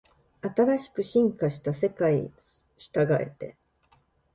新しく進化した世界捉えて